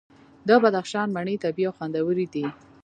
د بدخشان مڼې طبیعي او خوندورې دي.